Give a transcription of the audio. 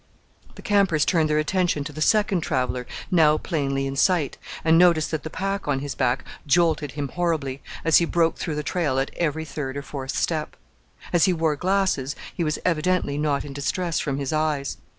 The campers turned their attention to the second traveller, now plainly in sight, and noticed that the pack on his back jolted him horribly, as he broke through the trail at every third or fourth step. As he wore glasses, he was evidently not in distress from his eyes.